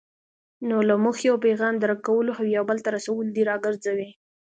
نو له موخې او پیغام درک کولو او یا بل ته رسولو دې راګرځوي.